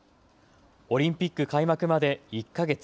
オリンピック開幕まで１か月。